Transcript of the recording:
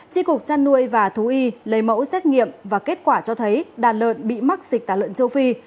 tri cục trăn nuôi và thú y lấy mẫu xét nghiệm và kết quả cho thấy đàn lợn bị mắc dịch tả lợn châu phi